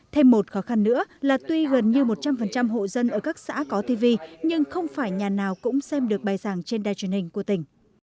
thêm một khó khăn nữa là tuy gần như một trăm linh hộ dân ở các xã có tv nhưng không phải nhà nào cũng xem được bài giảng trên đài truyền hình của tỉnh